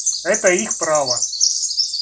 Это их право.